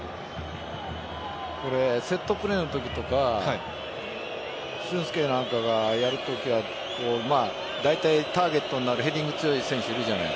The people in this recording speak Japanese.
セットプレーのときとか俊輔なんかがやるときはだいたいターゲットになるヘディング強い選手いるじゃない。